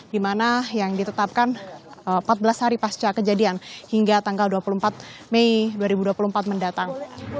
di mana yang ditetapkan empat belas hari pasca kejadian hingga tanggal dua puluh empat mei dua ribu dua puluh empat mendatang